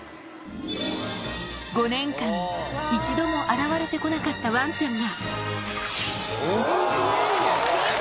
５年間、一度も現れてこなかったワンちゃんが。